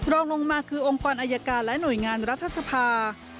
รองลงมาคือองค์กรอายการและหน่วยงานรัฐสภา